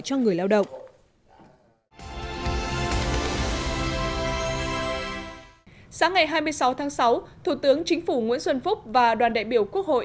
cho người lao động sáng ngày hai mươi sáu tháng sáu thủ tướng chính phủ nguyễn xuân phúc và đoàn đại biểu quốc hội